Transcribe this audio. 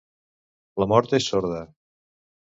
La mort és sorda.